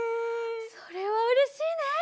それはうれしいね！